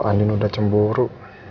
kalau andien udah cemburu